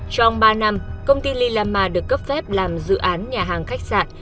trong ba năm công ty lilama được cấp phép làm dự án nhà hàng khách sạn